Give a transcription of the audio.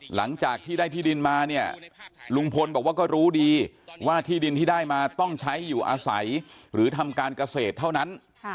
หลังจากที่ได้ที่ดินมาเนี่ยลุงพลบอกว่าก็รู้ดีว่าที่ดินที่ได้มาต้องใช้อยู่อาศัยหรือทำการเกษตรเท่านั้น